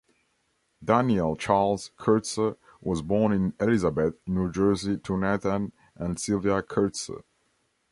Daniel Charles Kurtzer was born in Elizabeth, New Jersey to Nathan and Sylvia Kurtzer.